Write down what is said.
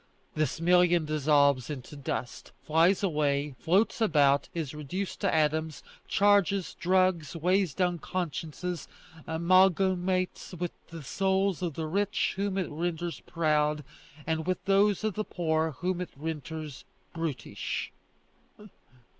This million dissolves into dust, flies away, floats about, is reduced to atoms, charges, drugs, weighs down consciences, amalgamates with the souls of the rich whom it renders proud, and with those of the poor whom it renders brutish."